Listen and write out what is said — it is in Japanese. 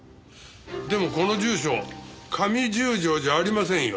でもこの住所上十条じゃありませんよ。